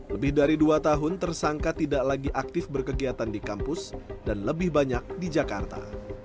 lebih dari dua tahun tersangka tidak lagi aktif berkegiatan di kampus dan lebih banyak di jakarta